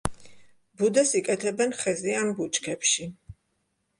ბუდეს იკეთებენ ხეზე ან ბუჩქებში.